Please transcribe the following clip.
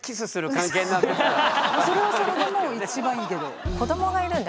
それはそれでもう一番いいけど。